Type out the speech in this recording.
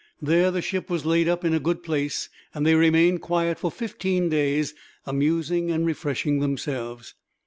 There the ship was laid up in a good place, and they remained quiet for fifteen days, amusing and refreshing themselves.